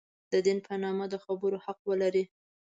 د دین په نامه د خبرو حق ولري.